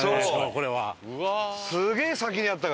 これは。